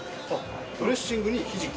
ドレッシングにひじき？